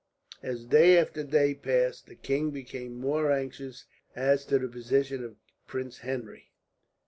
As day after day passed, the king became more anxious as to the position of Prince Henry.